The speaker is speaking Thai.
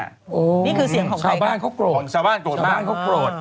นี่คือเสียงของใครครับชาวบ้านเขาโกรธชาวบ้านเขาโกรธ